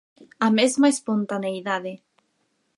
A mesma espontaneidade.